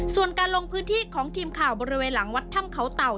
ส่วนการลงพื้นที่ของทีมข่าวบริเวณหลังวัดถ้ำเขาเต่า